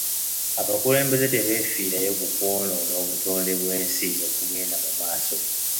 Abakulembeze tebeefiirayo ku kwonoona obutonde bw'ensi okugenda mu maaso.